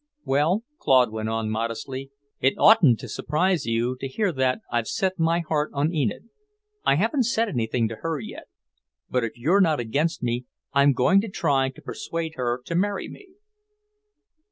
"Well," Claude went on modestly, "it oughtn't to surprise you to hear that I've set my heart on Enid. I haven't said anything to her yet, but if you're not against me, I'm going to try to persuade her to marry me."